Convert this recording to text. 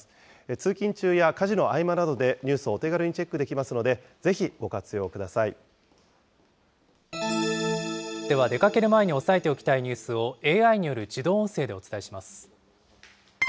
通勤中や家事の合間などでニュースをお手軽にチェックできますのでは出かける前に押さえておきたいニュースをＡＩによる自動音声でお伝えします。